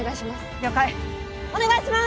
了解お願いします！